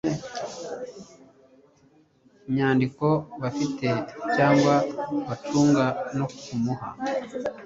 nyandiko bafite cyangwa bacunga no kumuha